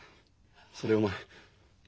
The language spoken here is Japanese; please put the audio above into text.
それをお前。